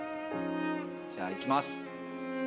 じゃあいきます。